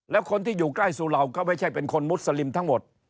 แล้วคนที่อยู่ใกล้สุเหล่าก็ไม่ใช่เป็นคนมุสลิมทั้งหมด